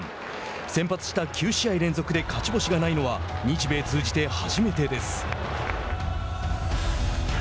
先発した９試合連続で勝ち星がないのは日米通じて初めてです。